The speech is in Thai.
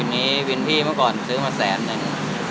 อันนี้วินพี่เมื่อก่อนซื้อมาแสนนึง